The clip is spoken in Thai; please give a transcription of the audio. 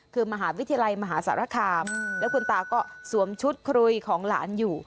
คือมหาวิทยาลัยมหาสารคามแล้วคุณตาก็สวมชุดครุยของหลานอยู่